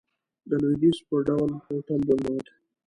د لوېدیځ په ډول هوټل درلود.